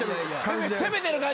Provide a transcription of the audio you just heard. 攻めてる感じ？